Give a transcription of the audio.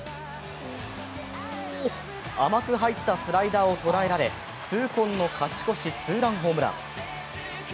甘く入ったスライダーを捉えられ痛恨の勝ち越しツーランホームラン。